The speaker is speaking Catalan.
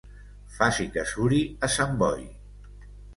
Faci que suri a Sant Boi.